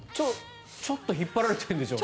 ちょっと引っ張られてるんでしょうね。